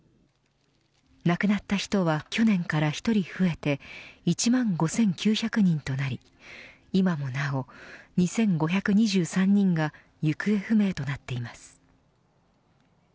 亡くなった人は去年から１人増えて１万５９００人となり今もなお２５２３人が行方不明となっています。